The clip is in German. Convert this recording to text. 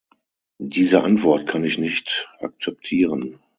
Diese Antwort kann ich nicht akzeptieren.